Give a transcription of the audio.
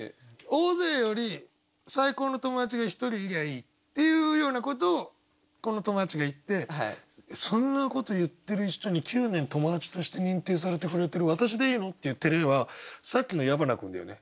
大勢より最高の友達が１人いりゃいいっていうようなことをこの友達が言ってそんなこと言ってる人に九年友達として認定されてくれてる「わたしでいいの？」って言ってる絵はさっきの矢花君だよね。